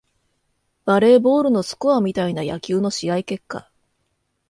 バレーボールのスコアみたいな野球の試合結果